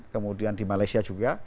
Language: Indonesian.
kemudian di malaysia juga